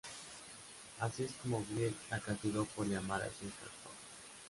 Así es como Grid le castigó por llamar a su hija troll.